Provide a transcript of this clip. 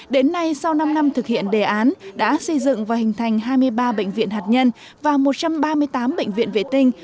đến nay sau năm năm thực hiện đề án đã xây dựng và hình thành hai mươi ba bệnh viện hạt nhân và một trăm ba mươi tám bệnh viện vệ tinh